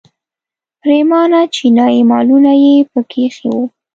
پریمانه چینایي مالونه یې په کې ایښي وو.